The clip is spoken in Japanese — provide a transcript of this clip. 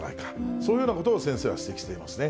そういうようなことを先生は指摘していますね。